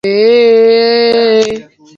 It was built by Robert H. Starr.